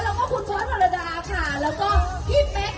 แล้วแต่คุณเลือกเรื่องว่าฝั่งไหนเนี่ย